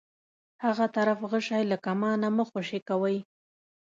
هغه طرف غشی له کمانه مه خوشی کوئ.